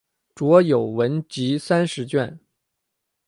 着有文集三十卷。